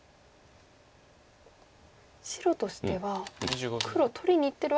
白としては黒を取りにいってるわけでは。